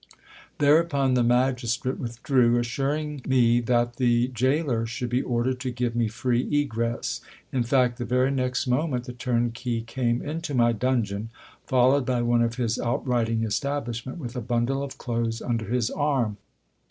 Thereupon the magistrate withdrew, assuring me that the gaoler should be ordered to give me free egress. In fact, the very next moment the turnkey came into my dungeon, followed by one of his outriding establish ment, with a bundle of clothes under his arm.